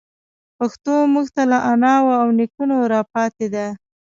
پښتو موږ ته له اناوو او نيکونو راپاتي ده.